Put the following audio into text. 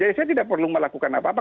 jadi saya tidak perlu melakukan apa apa